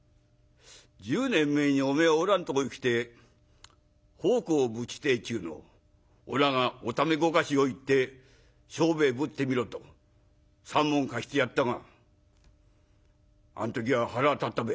「１０年前におめえはおらんとこへ来て奉公をぶちてえっちゅうのをおらがおためごかしを言って商売ぶってみろと３文貸してやったがあん時は腹が立ったべ」。